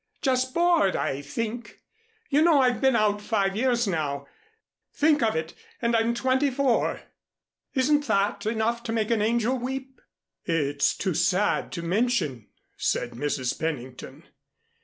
Just bored, I think. You know I've been out five years now. Think of it! And I'm twenty four. Isn't that enough to make an angel weep?" "It's too sad to mention," said Mrs. Pennington.